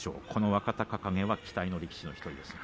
若隆景は期待の力士の１人ですか。